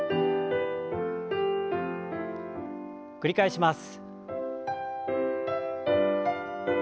繰り返します。